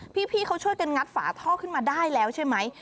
พี่เขาช่วยกันงัดฝาท่อขึ้นมาได้แล้วใช่ไหม